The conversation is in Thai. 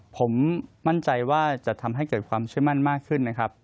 ผมมั่นใจว่าจะทำให้เกิดความเชื่อมั่นมากขึ้นนะครับ